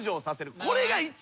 これが一番。